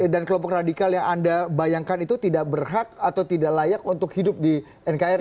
dan kelompok radikal yang anda bayangkan itu tidak berhak atau tidak layak untuk hidup di nkri